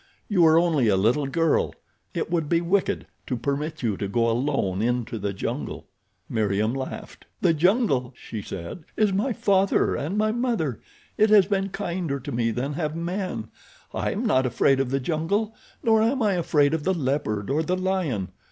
You are only a little girl—it would be wicked to permit you to go alone into the jungle." Meriem laughed. "The jungle," she said, "is my father and my mother. It has been kinder to me than have men. I am not afraid of the jungle. Nor am I afraid of the leopard or the lion.